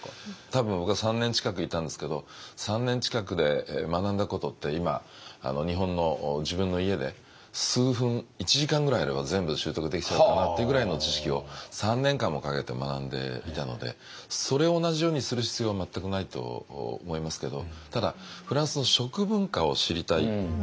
多分僕は３年近くいたんですけど３年近くで学んだことって今日本の自分の家で数分１時間ぐらいあれば全部習得できちゃうかなっていうぐらいの知識を３年間もかけて学んでいたのでそれを同じようにする必要は全くないと思いますけどただフランスの食文化を知りたい。